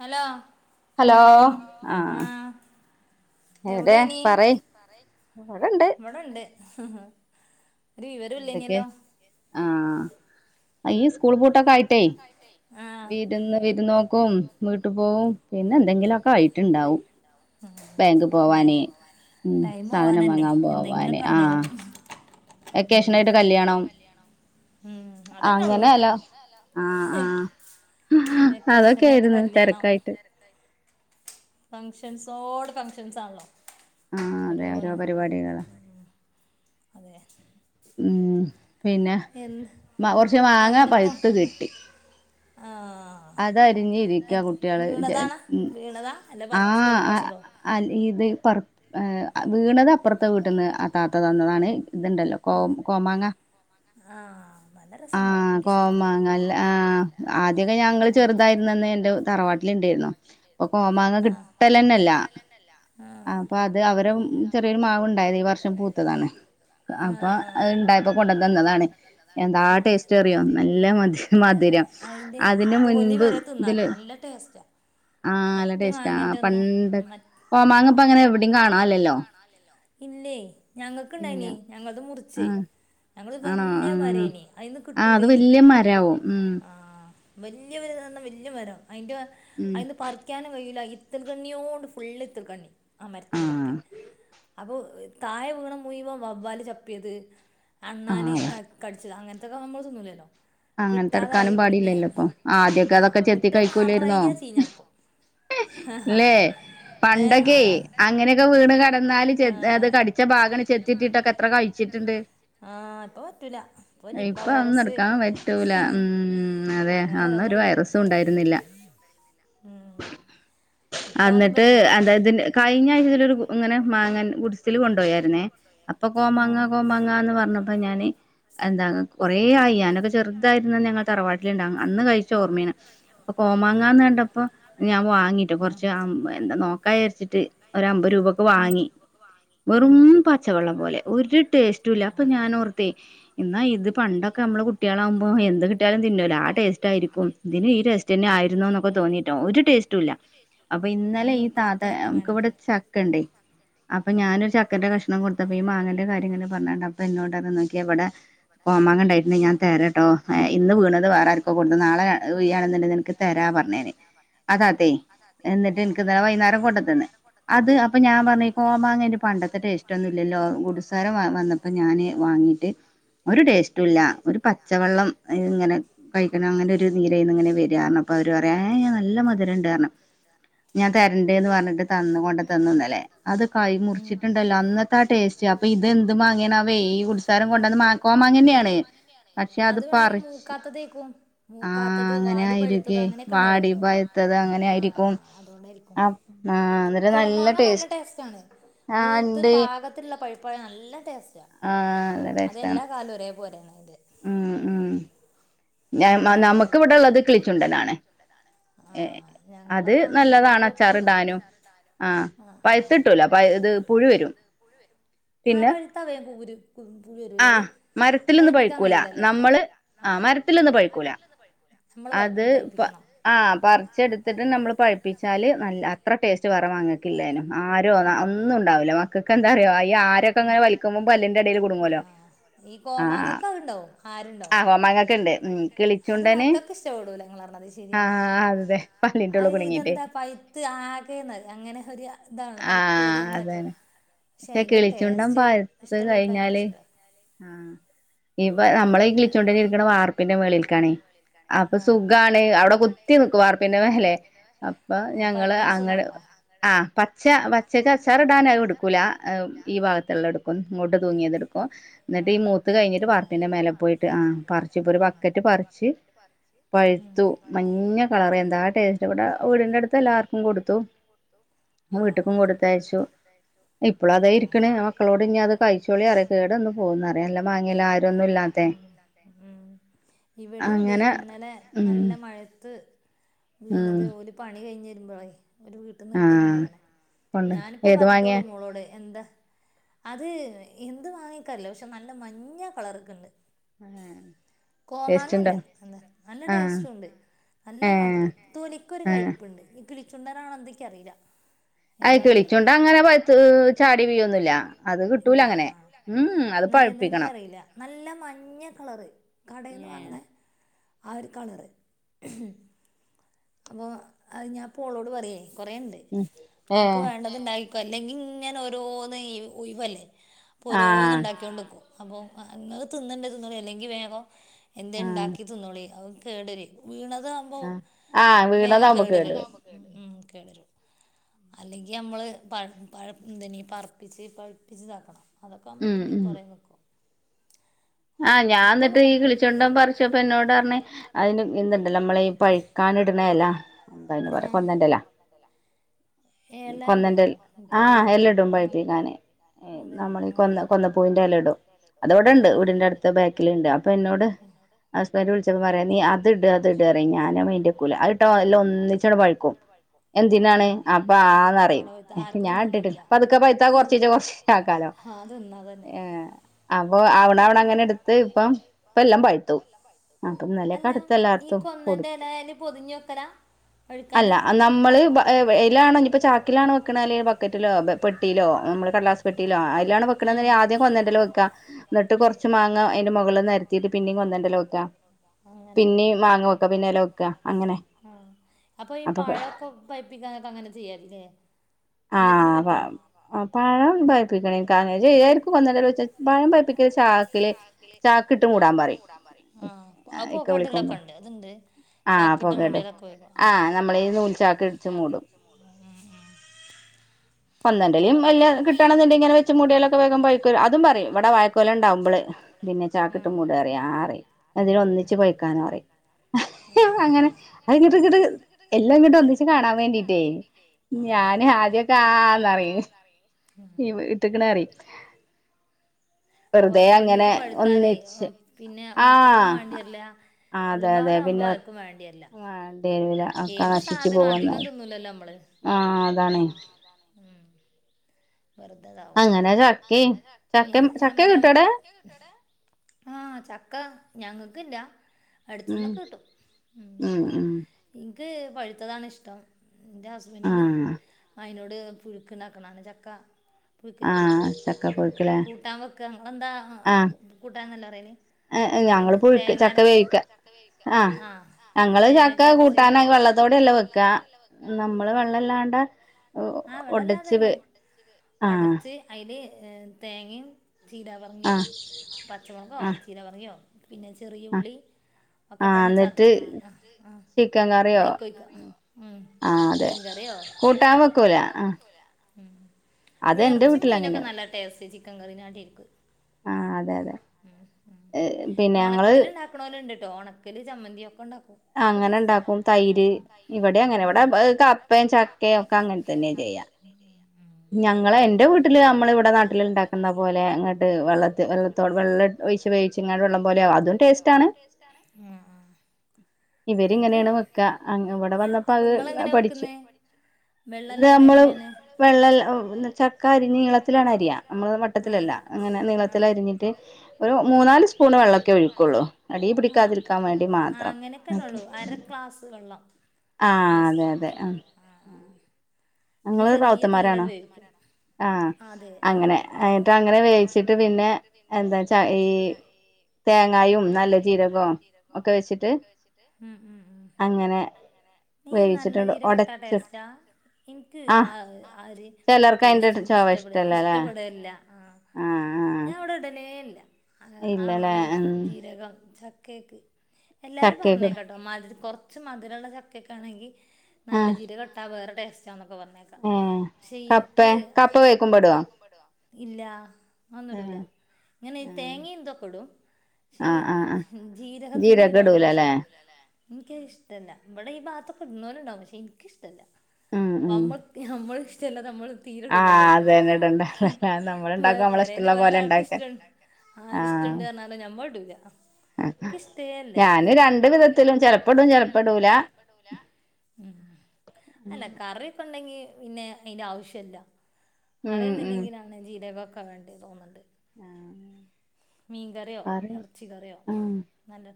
Hello hello ആഹ് എവിടെനി ഇവിടെണ്ട് ഒരു വിവരും ഇല്ലേനല്ലോ ആഹ് അയ് ഈ സ്കൂൾ പൂട്ടൊക്കെ ആയിട്ടേ വീരുന്ന് വിര്നോക്കും വീട്ടു പോവും പിന്നെ എന്തെങ്കിലൊക്കെ ആയിട്ടുണ്ടാവും ബാങ്ക് പോവാന് ഉംമ് സാധനം വാങ്ങാൻ പോവാനെ ആഹ് വെക്കേഷനായിട്ട് കല്യാണം അങ്ങനെയല്ല ആഹ് ആഹ് അതൊക്കെയിരുന്നു തെരക്കായിട്ട് ഫണ്ക്ഷസോഡ് ഫങ്ക്ക്ഷൻസ് ആണ്ല്ലോ ആഹ് അതെ ഓരോ പരിപാടികളാ അതെ മ്മ് പിന്നെ മാ കൊറച്ച് മാങ്ങാ പഴുത്ത് കിട്ടി ആഹ് വീണതാണ് വീണതാ അല്ല ആഹ് അ ഇത് പറ ഏഹ് വീണത് അപ്രത്ത വീട്ടിന്ന് ആ താത്തതന്നതാണ് ഇതുണ്ടല്ലോ കോ കോമാങ്ങ ആഹ് കോമങ്ങല്ല ആഹ് ആദ്യൊക്കെ ഞങ്ങള് ചെറുതായിരുന്നന്ന് ന്റെ തറവാട്ടിലേണ്ടായിരുന്നു പ്പോ കോമാങ്ങ കിട്ടലന്നല്ല അപ്പോ അപ്പോ അത് അവരും ചെറിയൊരു മാവ് ഉണ്ടായത് ഈ വർഷം പൂത്തതാണ് അപ്പോ അത് ഇണ്ടായപ്പോ കൊണ്ടു തന്നതാണ് എന്താ ടേസ്റ്റ്റിയോ നല്ല മതി മധിരം അതിനു മുൻപ് ഇതില് ആല ടെസ്റ്റാ പണ്ട് കോമാങ്ങപ്പ അങ്ങനെ എവി കോമാങ്ങ പോ എവിടിം കാണാല്ലല്ലോ ഇല്ലേ ഞങ്ങക്ക് ഇണ്ടായിനി ഞങ്ങളത് മുറിച്ചേ ഞങ്ങള് വല്യ മരേനി അതിന്ന് കിട്ടൂലേനി ആഹ് അത് വെല്ല്യ മരം ആവും ആഹ് വെല്ല്യ [unintelligible] വെല്ല്യ മരം അയ്ന്റെ അയ്ന്ന് പറ ക്കാനും കഴിയുലാ ഇത്തിൾ കണ്ണിയോണ്ട് ഫുള് ഇത്തിൾ കണ്ണി ആ മരത്തുമേലൊക്കെ അപ്പോ തായെ വീണം മുയുവോം വവ്വല് ചപ്പിയത് അണ്ണാന് ഇതാ കടിച്ചത് അങ്ങനത്തെക്കെ ആവുംബോ തിന്നൂല്ലല്ലോ കിട്ടാതായി പിന്നെ [unintelligible] ആഹ് മുറ്റനേറയെ ചീഞ്ഞടുക്കും ആഹ് [unintelligible] ഏയ് പണ്ടൊക്കെ അങ്ങനെയൊക്കെ വീണു [inaudible] അത് കടിച്ച ഭാഗ ചെത്തിണ്ടിട്ടൊക്കെ എത്ര കഴിച്ച ആഹ് പ്പൊ പറ്റൂല ഇപ്പ നിപ്പ വൈറസ് റ്റുല അതെ അന്നൊരു വൈറസും ഉണ്ടായിരു ന്നില്ലാ അന്നിട്ട് എന്താ ഇതി കയിഞ്ഞ [unintelligible] ഇങ്ങനെ മാങ്ങൻ ഗുഡ്‌സിൽ കൊണ്ടുയരുന്നേ അപ്പോ കോമാങ്ങ കോമാങ്ങ ന്ന് പറഞ്ഞപ്പോ ഞാന് എന്താ കൊറെ ആയി ഞനൊക്കെ ചെറ തായിരുന്ന ഞങ്ങൾ തറവാട്ടിലുണ്ടാ അന്ന് കഴിച്ച ഓർമ്മേണ് പ്പൊ കോമാങ്ങന്ന് കണ്ടപ്പോ ഞാൻ വാങ്ങിട്ട കൊറച്ച് എന്താ നോക്ക ക്കായിരച്ചിട്ട് ഒര് അമ്പത് രൂപക്ക് വാങ്ങി വെറും പച്ചവെള്ളം പോലെ ഒരു ടേസ്റ്റുല്ല അപ്പോ ഞാനോർത്തെ ന്നാ ഇത് പണ്ട ക്കെ നമ്മളെ കുട്ട്യേളാകു മ്പോ എന്ത് കിട്ടിയാലും തിന്നുലോ ആ ടേസ്റ്റ് ആരിക്കും ഇതിന് ഈ ടെസ്റ്റ്‌ തന്നെ ആയിരുന്നോ എന്നൊക്കെ തോന്നിയിട്ടോ ഒരു ടേ സ്റ്റുല്ലാ അപ്പോ ഇന്നലെ ഈ താത നമുക്ക് ഇവടെ ചക്കണ്ടേ അപ്പോ ഞാനൊരു ച ക്കന്റെ കഷ്ണം കൊടുത്തപ്പം ഈ മാങ്ങന്റെ കാര്യം ഇങ്ങനെ പറഞ്ഞണ്ട് അപ്പോ എന്നോട് നോക്കി ഇവടെ കോ [unintelligible] ഞാൻ തെരാ ട്ടോ ഇന്ന് വീണത് വേറെ ആരിക്കോ കൊടുന്ന് നാളെ വീയയാണെന്നുണ്ട നിക്ക് തരാ പറഞ്ഞേന് ആ താത്തെയ് എന്നിട്ട് നിക്ക് ഇന്നലെ വൈന്നേരം കൊണ്ടത്തന്ന് അത് അപ്പോ ഞാൻ പറഞ്ഞ് ഈ കോമാങ്ങന്റെ പണ്ടത്തെ ടെ റ്റൊന്നുവില്ലല്ലോ ഗുടിസാരം വന്നപ്പോ ഞാന് വാങ്ങീട്ട് ഒരു ടേസ്റ്റുവില്ല ഒരു പച്ചവെള്ളം ഇങ്ങനെ കഴിക്കണം അങ്ങനെ ഒരു നീരയിന്ന് ഇങ്ങനെ വര അപ്പോ അവര് പറയാ ഏഹ് നല്ല മധുരണ്ട് പറഞ്ഞ് ഞാൻ തരണ്ടേന്ന് പറഞ്ഞിട്ട് തന്നു കൊണ്ട് തന്നുന്നലെ അത് കൈ മുറിച്ചിട്ടുണ്ടല്ലോ അന്ന് എന്താ ടേസ്റ്റ് അപ്പോ ഇതെന്ത് മാങ്ങയാണ് ഈ ഗുഡ്സാരൻ കൊണ്ടന്ന മാ കോമങ്ങന്നെന്നേണ് അത് വേണങ്കി മൂക്കാത്തതേക്കും മൂക്കാത്തത് വാടി പഴുത്തത് അങ്ങനെയൊക്കെ ഇണ്ടാവോല്ലോ ആഹ് അതോണ്ടായിക്കും കോമാങ്ങ നല്ല ടേസ്റ്റാണ് മൂത്ത് പാക ത്തിലുള്ള പഴിപ്പണങ്കി നല്ല ടേസ്റ്റാ അതെല്ലാ കാലവും ഒരേ പോലെയാണ് ഇത് ഉം ഉം നമുക്ക് ഇവിടെ ഉള്ളത് കിളിച്ചുണ്ടനാണ്. ഏ, അത് നല്ലതാണ്. അച്ചാറിടാനും ആ, ആ, പയ്ത്തിട്ടൂല ഇത് പുഴുവരും. ആ, പഴുത്താൽ പുഴു വരൂലേ. അ പഴുപ്പിക്കാൻ കഴിയുലലേ. പഴുകുല. നാല് [unintelligible] മരത്തിൽനിന്ന് പഴുകുല അത് ആ, പറിച്ചെടുത്തിട്ട് നമ്മൾ പഴു പഴുപ്പിച്ചാൽ നല്ല അത്ര ടേസ്റ്റ് വേറെ മാങ്ങക്കില്ലായിനും ആരോ ഒന്നും ഉണ്ടാവൂല. ഒന്ന്ണ്ടാവൂല ഒക്കെ എന്താ അറിയോ ഇ ആര് വലിക്കുമ്പോൾ പല്ലിന്റെ അടിയിൽ കുടുങ്ങുലോ, ഇ കോമങ്ങയ്ക് അത് ഉണ്ടാവും. ആരുണ്ടോ? ക്കണ്ട് [unintelligible] ഞങ്ങൾക്കുണ്ട്, അത് മക്കൾക്ക് ഇഷ്ടപെടുല. ഇങ്ങൾ പറഞ്ഞത് ശരിയാണ്. അ, ഇതെന്താ പയ് പഴ്ത്ത് ആകെ അങ്ങനെ ഒരു ഇതാണല്ലോ. പഴുപ്പ് എറിയലൊക്കെ. പക്ഷേ അയിന്റെ ടേസ്റ്റ് ഇഷ്ടള്ളവർക്ക് ഭയങ്കര ഇഷ്ട. ആ, ഇപ്പ നമ്മളെ കിളിചൂണ്ടന്നിരിക്കണ വാർ വാർപ്പി ന്റെ മേളികാണ്. അ, അപ്പോ സുഖാണ്. അവിടെ കുത്തി നീക്കും വാർപ്പി ന്റെയ് മേലെ. അപ്പ ഞങ്ങൾ അങ്ങട് ആ, പച്ച പച്ചക്ക് അച്ചാർ ഇടാന്അത് എടുക്കുല ഈ ഭാഗ ചെറുത്‌ എടുക്കും. ഇങ്ങോട്ട് തൂങ്ങിയത് എടുക്കും. എന്നി്ട്ട് ഈ മൂത്ത് കഴിഞ്ഞിട്ട് വാർപ്പിന്റെ മേലെ പോയിട്ട് ആ, പറച്ച് ഇപ്പോ ഒരു ബക്കറ്റ് പറിച്ച് പഴുത്തു മഞ്ഞ കളർ, എന്താ ടേസ്റ്റ് വീടിന്റെ അടുത്ത് എല്ലാർക്കും കൊടുത്തു. വീട്ട് ക്കും കൊടുത്തയച്ചു. ഇപ്പോളും ആത ഇരിക്കണ് മക്കളോട് ഇനി അത് കഴിച്ചോളി അറിയാം. കേടന്ന് പോകുംന്നറിയം നല്ല മാങ്ങേല്ല ആര് ന്നും ഇല്ലാത്ത. ആരൊന്നും ഇല്ലത്തെ. ഉം. ഇവിടെണ്ട് ഇന്നലെ നല്ല മഴത്ത് വീണത്. ഓല് പണി കഴിഞ്ഞ് വരുമ്പള് ഒരു വീട്ടിന്നു കൊണ്ടോന്നണ്. ഞാനിപ്പ പറഞ്ഞിട്ടോളൂ മോളോട് എന്താ അത് എന്ത് വാങ്ങിക്കാറില്ല. പക്ഷേ നല്ല മഞ്ഞ കളർകണ്ട്. അതെ. കോമാങ്ങല്ല. നല്ല ടേസ്റ്റ ഉണ്ട്. നല്ല മധുരം. തൊലികോരു കൈപ്പ്ണ്ട്. ഈ കിളിച്ചുണ്ടനണോ എന്തൊ ഇക്ക്‌ അറീയി ല്ല. അ,, കിളിചുണ്ടൻ അങ്ങനെ പഴ്ത്തു ചാടി വിഴുന്നുംല്ല. അത് കിട്ടൂല അങ്ങനെ ഉം, ഉം. അത് പഴിപ്പിക്കണം. നല്ല മഞ്ഞ കളറ് കടയിൽന്ന് വാങ്ങണ ആ ഒരു കളറ്. അപ്പോ അത് ഞാൻ പോളോട് പറയേ കൊറേ ണ്ട് അൻക്ക് വേണ്ടങ്കിണ്ടാക്കിക്കൊ അല്ലെങ്കി ഇങ്ങനെ ഓരോന്ന് ഈ, ഒയിവല്ലേ. അപ്പോ ഓരോന്ന് ഉണ്ടാക്കികൊണ്ടുനിക്കും. അപ്പോൾ ഇങ്ങള് തിന്ന്ണ്ടങ്കി തിന്നോളി. അല്ലെങ്കിൽ വേഗം എന്തങ്കിലും ഉണ്ടാക്കി തീന്നോളിൻ അതു കേടരും. വീണത ആകുമ്പോ വേഗം കേടരും. ഉം. കേടരും. അല്ലെങ്കി നമ്മൾ പഴുപ്പിച്ചു പഴുപ്പിച്ചു ഇതാകണം. അതൊക്കെ ആകുമ്പോ പിന്നിംകൊറ നിക്കും. ആ, ഞാ എന്നിട്ട് ഈ കിളിച്ചുണ്ടൻ പറിച്പ്പ എന്നോട് പറഞ്ഞു അതിന് ഇതുണ്ടല്ലോ നമ്മളെ ഈ പഴുക്കാനിടുന്ന എല എന്താ പറയാ കൊന്നന്റെല. കൊന്നന്റെ എല ആ, ഇല ഇടും പഴുപ്പിക്കാന്. നമ്മൾ ഈ, കൊന്ന കൊന്നപ്പൂവിന്റെ എല ഇടും. അതവിടെണ്ട്. ഇവിടെണ്ട്. തൊട്ട അടുത്ത ബാക്കിലുണ്ട് അപ്പോ എന്നോട് ഹസ്ബന്റ വിളിച്ചപ്പോ പറയാം നീ അത് ഇട് അത് ഇട് ഞാനും മെയിന്റെ വെക്കുല. അത്ട്ട എല്ലാം ഒന്നിച്ച പഴുക്കും. എന്തിനാണ് അപ്പ ആന്ന് പറയും. ഞാൻ ഇട്ടിട്ടില്ല. പതുക്കെ പഴുത്ത കുറച്ച് കുറച്ച് ട്ടാക്കാലോ ഏഹ് അപ്പൊ അവണ അവണ അങ്ങനെ എടുത്ത് ഇപ്പം ഇപ്പല്ലാം പഴുതു അപ്പൊന്നല്ലടുത്ത് എല്ലാർത്തും കൊടുത്തു അല്ല നമ്മള് വ ഏഹ് എലാണ ഞ്ഞിപ്പോ ചാക്കിലാണ് വെക്കണ അല്ലെങ്കിൽ ബക്കറ്റിലോ പെട്ടിയിലോ നമ്മള് കട്ലാ പെട്ടില്ലോ അയ്ലാണ് വെക്കണ ആദ്യം കൊന്നണ്ടൽ വെക്ക എന്നിട്ട് കൊർ മാങ്ങ അയ്ന്റെ മുകളിൽ നെരത്തിയിട്ട് പിന്നീ കൊന്നന്റെല വെക്ക അങ്ങനെല്ലേ ആഹ് അപ്പൊ ഈ പഴൊക്കെ പൈപ്പിക്കാനൊക്കെ അങ്ങനെ ചെയ്യാല്ലേ ആഹ് വ ആഹ് പഴം പൈപ്പിക്കണേ കാണ [unintelligible] വന്നോ പഴം പൈപ്പിക്കൽ ചാക്കില് ചാക്കിട്ടും മൂടാൻ പറയും ആഹ് അ പോകടുലൊക്കെ ണ്ട് അതുണ്ട് ചാക്കിട്ട് മൂടലൊക്കെ വരും ആഹ് ഉം ഉം കൊന്നണ്ടലും വല്യ കിട്ടണണന്നുണ്ടേൽ ങ്ങനെ വെച്ച് മൂടിയാലൊക്കെ വേഗം പയിക്ക അതും പറയും ഇവിടെ വായക്കോലണ്ടാവുമ്പോള് പിന്നെ ചാക്കിട്ടും മൂട റിയ ആഹ് റിം തിന് ഒന്നിച്ച് പയ്ക്കാനോ റിം അങ്ങനെ അത് ഇങ്ങട്ട് ഇട്ട് എല്ലാം ഇങ്ങോട്ട് ഒന്നിച്ച് കാണാൻ വേണ്ടീട്ടേ ഞാന് ഞാന് ആദ്യൊക്കെ ആന്നറി വിട്ടക്ലെറി ഒന്നിച്ച് പഴുത്താലേ പിന്നെ മക്കൾക്കും വേണ്ട്യര്യല എല്ലുമ്പാടെ ആവുമ്പോ ആർക്കും വേണ്ട്യര്ല്ല ഏത് സാധനവും അധികം തിന്നൂലല്ലോ നമ്മള് ആഹ് അതാണ് ഉം വെറുതെതാവും ഞാൻ പറയാം ആഹ് ചക്ക ഞങ്ങക്ക്ല്ലാ അടുത്തുന്നൊക്കെ കിട്ടും ഇൻക്ക് പഴുത്തതാണിഷ്ടം എന്റെ ഹസ്ബൻഡിന് അയിനോട് പുഴുക്ക് ഉണ്ടാക്കണണ ചക്ക പുഴിക്കില്ലേ കൂട്ടാൻ വെക്ക ങ്ങെൾന്താ കൂട്ടാന്നെല്ലേ പറല് അങ്ങനെ തേങ്ങരച്ച് ആഹ് തേങ്ങക്കരച്ച് ക്ക നമ്മള് വെള്ളംല്ലാണ്ട ആഹ് വെള്ളല്ലാ തന്നെ പടച്ച് അയ്ല് തേങ്ങിൻ ചീരപർങ്കിം പച്ചമുളകോ ഈ ചീര പറങ്കിയോ പിന്നെ ചെറിയ ഉള്ളി ഒക്കെട്ടാണ്ട് ചതക്കി ആഹ് അയിക്കോയ്ക്ക ഉം മീ കറ്യോ എറച്ചും മീനൊക്കെ നല്ല ടേസ്റ്റ് ചിക്കൻ കറിനാട്ടി ഇൻക്ക് ആഹ് അതെ അതെ എഹ് പിന്നെ ഞങ്ങള് ക്ണോല്ണ്ട് ട്ടോ ഉണക്കല് ചമ്മന്തിയും ഒക്കെ ഉണ്ടാക്കും ഒക്കെ ടെസ്റ്റ അങ്ങനെ ഇണ്ടാക്കും തൈര് ഇവിടെ അങ്ങനെ ഇവിടെ അപ്പയും ചക്കയും ഒക്കെ അങ്ങൻത്തെ [unintelligible] ഉം ഞങ്ങള് എന്റെ വീട്ടില് നമ്മളെ വിടെ നാട്ടിൽ ണ്ടാക്കുന്ന പോലെ ങ്ങട്ട് വെള്ളത്തി വെള്ളത്തോ വെള്ള [unintelligible] വെള്ള പോലെയാവു അതും ടേസ്റ്റ് ആണ് അത് അപ്പൊ ങ്ങളെങ്ങനെ വെക്കുന്നെ വെള്ളല്ലാതെ എങ്ങനെണ് അല്ലല്ല ചക്ക അരി അല്ല നീളത്തിലാ അരിയാ വട്ടത്തിലല്ല എന്നിട്ട് ഒരു മൂന്നാല് സ്പൂണ് വെള്ളമൊക്കെ ഒഴിക്കുള്ളൂ അടി പിടിക്കാതിരിക്കാൻ വേണ്ടി മാത്രം ഓ ക്ലാസ് വെള്ളം ആഹ് അതെ അതെ ആഹ് പിന്നെ ചെറിയ തീയിലങ്ങട്ട് വേവിക്കും അതെ ആഹ് അങ്ങനെ ആട്ട് അങ്ങനെ വേവിച്ചിട്ട് പിന്നെ എന്താ ച ഈ തേങ്ങായും നല്ല ജീരകവും ഒക്കെ മ്മ് മ്മ് വെച്ചിട്ട് അങ്ങനെ നീ നല്ല ജീരകട്ടാ ടേസ്റ്റാ എനിക്ക് ആഹ് ആഹ് ഒരു ടേസ്റ്റ് എനി ഇഷ്ടപ്പെട ഇഷ്ടപ്പെടേല്ല ആഹ് ഞാൻ ഇവിടെ ഇടലേ ഇല്ല അഹ് ആഹ് ഈ ജീരകം ചക്കേക്ക് എല്ലാരും പറഞ്ഞേക്കട്ടോ മധ് കുറച്ച് മധുരമുള്ള ചക്കയൊക്കെ ആണെങ്കി നല്ല ജീരചട്ടാ വേറെ ടേസ്റ്റാന്നൊക്കെ പറഞ്ഞേക്കാ പക്ഷേ എനിക്ക് ഇല്ല ഒന്നും ഇടൂല ഇങ്ങനെ ഈ തേങ്ങയും ഇതൊക്കെ ഇടും പക്ഷേ ഈ ജീരകത്തിന്റെ പരിപാടി ഇഷ്ട ഇൻക്ക് ഇഷ്ടല്ല ഇവിടെ ഈ ഭാഗത്തൊക്ക ഇടുന്നോലുണ്ടാവും പക്ഷേ ഇൻക്കിഷ്ടല്ല നമ്മൾക്ക് നമ്മൾക ഇഷ്ടല്ലത് നമ്മൾ തീരടൂലല്ലേ അയിക്ക് പൊരേല് വേറെ ആൾക്ക് ഇഷ്ട ആഹ് ഇഷ്ടണ്ട് പറഞ്ഞാലും ഞമ്മളിടൂല ഇക്ക് ഇഷ്ടേയല്ല അല്ല കറി ഉണ്ടെങ്കി പിന്നെ അതിന്റെ ആവശ്യല്ല അറിയുന്നില്ലെങ്കിലാണ് ജീരകൊക്കെ വേണ്ടേ തോന്ന്ണത് ആഹ് മീൻകറിയോ ഇറച്ചി കറിയോ നല്ല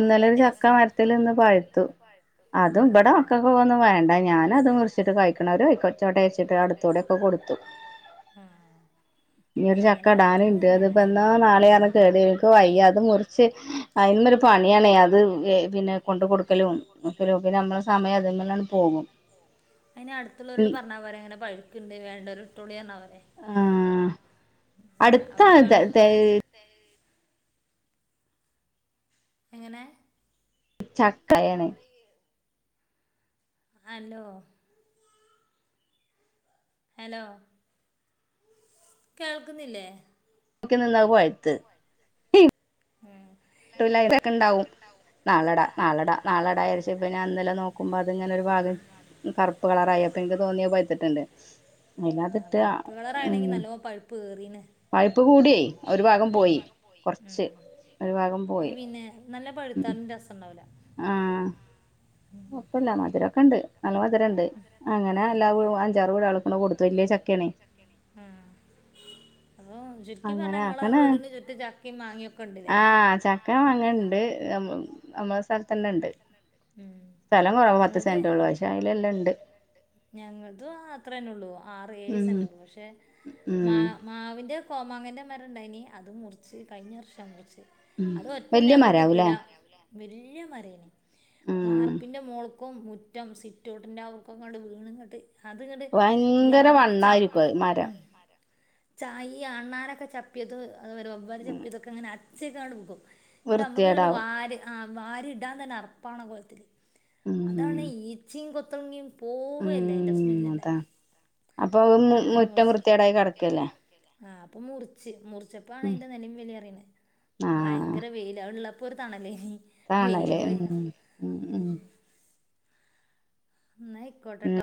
നല്ല ടേസ്റ്റ് ആഹ് ഇവിടെ മക്കക്ക് ഇതൊന്നും വേണ്ട ഞാന അത് മുറിച്ചിട്ട് കഴിക്ക്ണോല് കയിച്ചോട്ടെ വിചാര്ച്ട്ട് അടുത്തൂടെ ആഹ് ഇന്നൊരു ചക്കടാനുണ്ട് അത്പ്പന്നാ നാളെയാകുമ്പോ കേടു വരും വയ്യ അത് മുറിച്ച് അയിന്ള്ളൊരു പണിയാണേ അത് പിന്നെ കൊണ്ട് കൊടുക്കലും നോക്കലും നമ്മെ സമയം അതിന്നനെ അങ് പോകും അയിന് അടുത്തുള്ളവരോട് പറഞ്ഞാ പോരെ അങ്ങനെ പഴുക്കുണ്ട് വേണ്ടോല് ഇട്ത്തോളി പറഞ്ഞാ പോരെ ആഹ് അടുത്ത തെയ് തെയ് എങ്ങനെ ചക്കയാണ് ഹലോ ഹലോ കേൾക്കുന്നില്ലേ നോക്കി നിന്ന് അത് പഴുത്ത് ഉം ക്കെണ്ടാവും നാളട നാളട നാളട വിചാരിച്ച് ഇന്നലെ നോക്ക നോക്കുമ്പോ അത്ങ്ങനെ ഒരു ഭാഗം കറുപ്പ് കളറായി അപ്പൊ എനിക്ക് തോന്നിയത് പയുത്തിട്ട്ണ്ട് ആഹ് കറുപ്പ് കളറായീണെങ്കി നല്ലോം പഴുപ്പ് ഏറീണ് പയുപ് കൂടിയേ ഒരു ഭാഗം പോയി കുറച്ച് ഒരു ഭാഗം അത് പിന്നെ നല്ല പഴുത്താലും രസണ്ടാവൂല. ആഹ്. കൊഴപ്പില്ല. മധുരൊക്കെണ്ട്. നല്ല മധുരണ്ട്. അങ്ങനെ എല്ലാ വീ അഞ്ചാറ് വീടാൾക്ക്ന്ന് കൊടുത്തു. വല്ല്യ ചക്കേണെ. ആഹ്. അപ്പോ ചുരുക്കി പറഞ്ഞ ഇങ്ങളെ വീടിന് ചുറ്റും ചക്കയു മാങ്ങയൊക്കെ ഇണ്ട്ല്ലേ? ഒക്കെ അങ്ങണ്ട് നമ്മ അമ്മളെ സ്ഥലത്തന്നെ ഇണ്ട്. സ്ഥലം കൊറവാ. പത്ത് സെന്റെ ഉള്ളൂ. പക്ഷേ അതിലെല്ലം ഇണ്ട്. ഞങ്ങളതു അത്രേന്നെ ഉള്ളൂ. ആറ് ഏഴ് സെന്റെ ഉള്ളു. പക്ഷെ മാ മാവിന്റെ കോമാങ്ങന്റെ മരംണ്ടായിന്. അത് മുറിച്ച്. കഴിഞ്ഞ വർഷാ മുറിച്ചെ. അതൊറ്റൊന്ന് ഞങ്ങക്ക് കിട്ടൂല. വല്യ മരേയ്ന്. വാർപ്പിന്റെ മോള്ക്കും മുറ്റം സിറ്റോട്ടിന്റെ അവ്ക്കും ങ്ങോണ്ട് വീണിങ്ങട്ട് അത്ങ്ങട്ട് യാ ചപ് ഉം. വണ്ണായ്ക്ക് മരം. ഉം. ചായി അണ്ണാനൊക്കെ ചപ്പിയത് അത്പോലെ വവ്വാല് ചപ്പിയതൊക്കെ അങ്ങനെ അച്ചിക്കാണ്ട് വീകും. എന്നിട്ട് നമ്മുക്കണ്ട് വാരി ആഹ് വാരി ഇടാൻ തന്നെ അറപ്പാണ കോലത്തില് അതാണ് ഈച്ചയും കൊത്തണ്ണിയും പോവ്വേല്ല അതിന്റെ സ്മെല്ല്ണ്ടായാല്. അങ്ങനെ മുറിച്ച്. മുറ്റം വൃത്തിയാക്കാന് കേടായി കെടക്കല്ലേ. ആഹ് അപ്പൊ മുറിച്ച്. മുറിച്ചപ്പാണ് അതിന്റെ നെലേം വെലേയറിയ്ന്നെ. ഭയങ്കര വെയില്. അത്ള്ളപ്പോ ഒരു തണലേനി. ആണല്ലേ? ഉം ഉം ഉം ഉം. എന്നാ ആയിക്കോട്ടെട്ടോ.